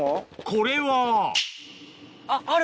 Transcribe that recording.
これはあっある！